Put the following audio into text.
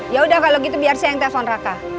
ya udah kalau gitu biar saya yang telpon raka